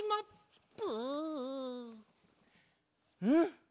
うん！